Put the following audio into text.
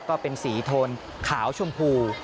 ก็เป็นสีโทนขาวชมพู